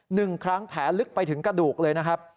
หนึ่งครั้งแผลลึกไปถึงกระดูกเลยนะครับ